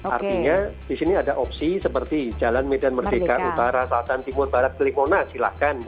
artinya di sini ada opsi seperti jalan medan merdeka utara selatan timur barat klikona silahkan